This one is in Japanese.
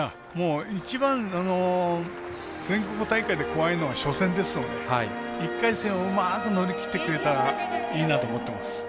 一番、全国大会で怖いのは初戦ですので１回戦をうまく乗り切ってくれたらいいなと思っています。